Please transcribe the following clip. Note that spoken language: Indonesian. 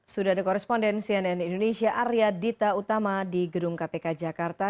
sudah ada koresponden cnn indonesia arya dita utama di gedung kpk jakarta